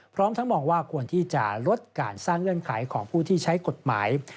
พร้อมทั้งมองว่าควรที่จะลดการสร้างเงื่อนไขของผู้ที่ใช้กฎหมาย